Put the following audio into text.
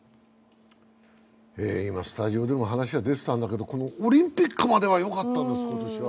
今、スタジオでも話が出てたんですけどオリンピックまではよかったんです、今年は。